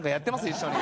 一緒に。